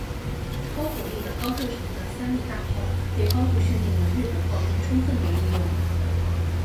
高火力和高射程的三笠大炮被高度训练的日本炮兵充分地利用了。